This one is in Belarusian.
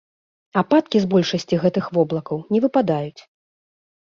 Ападкі з большасці гэтых воблакаў не выпадаюць.